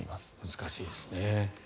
難しいですね。